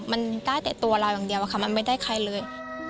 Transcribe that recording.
มันได้แต่ตัวเราอย่างเดียวอะค่ะมันไม่ได้ใครเลย